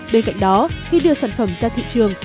bên cạnh đó khi đưa sản phẩm ra thị trường